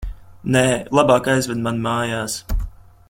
Nē, labāk aizved mani mājās.